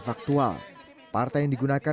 faktual partai yang digunakan